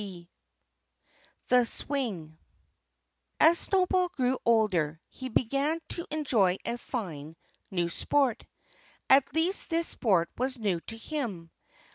XVIII THE SWING As Snowball grew older he began to enjoy a fine, new sport. At least this sport was new to him.